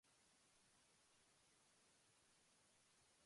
Then he may be offered the opportunity to become a partner.